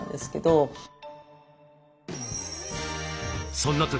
そんな時